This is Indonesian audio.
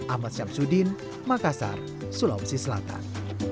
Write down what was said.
ahmad syamsuddin makassar sulawesi selatan